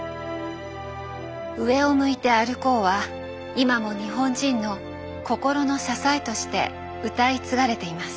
「上を向いて歩こう」は今も日本人の心の支えとして歌い継がれています。